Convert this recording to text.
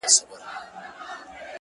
ژوند ټوله پند دی؛